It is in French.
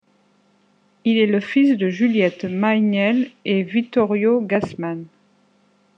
Il est le fils de Juliette Mayniel et Vittorio Gassman.